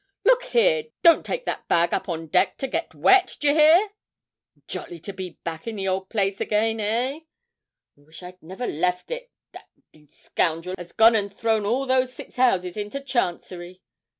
'Look here, don't take that bag up on deck to get wet, d'ye hear?' 'Jolly to be back in the old place again, eh?' 'I wish I'd never left it that d d scoundrel has gone and thrown all those six houses into Chancery!'